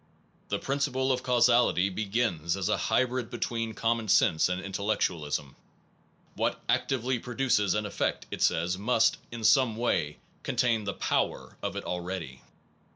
The principle of causality begins as a hybrid be tween common sense and intellectualism : what actively produces an effect, it says, must in some way contain the power of it already.